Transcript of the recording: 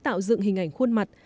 tạo dựng hình ảnh khuôn mặt